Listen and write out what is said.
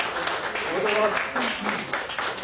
・おめでとうございます！